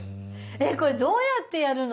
えっこれどうやってやるの？